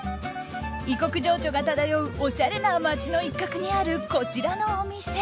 異国情緒が漂うおしゃれな街の一角にあるこちらのお店。